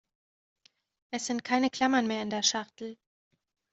Es sind keine Klammern mehr in der Schachtel.